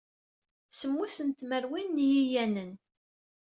Semmuset n tmerwin n yiyanen.